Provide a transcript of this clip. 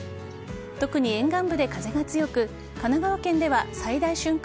特に沿岸部で風が強く神奈川県では最大瞬間